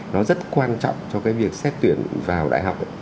nó rất quan trọng cho cái việc xét tuyển vào đại học